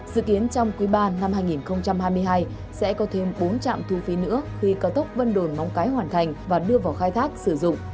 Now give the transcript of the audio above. dự kiến trong quý ba năm hai nghìn hai mươi hai sẽ có thêm bốn trạm thu phí nữa khi cao tốc vân đồn móng cái hoàn thành và đưa vào khai thác sử dụng